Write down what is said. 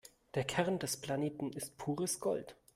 Der Kern des Planeten ist pures Gold.